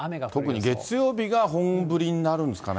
特に月曜日が本降りになるんですかね。